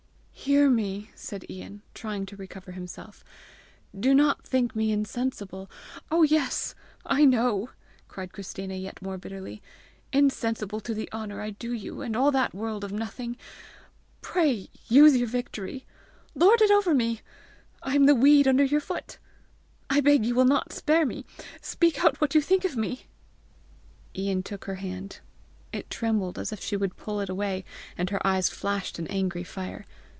"Hear me," said Ian, trying to recover himself. "Do not think me insensible " "Oh, yes! I know!" cried Christina yet more bitterly; " INSENSIBLE TO THE HONOUR I DO YOU, and all that world of nothing! Pray use your victory! Lord it over me! I am the weed under your foot! I beg you will not spare me! Speak out what you think of me!" Ian took her hand. It trembled as if she would pull it away, and her eyes flashed an angry fire.